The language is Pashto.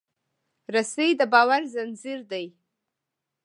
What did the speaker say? رسۍ د باور زنجیر دی.